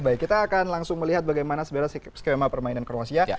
baik kita akan langsung melihat bagaimana sebenarnya skema permainan kroasia